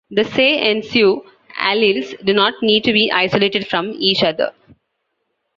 The "se" and "su" alleles do not need to be isolated from each other.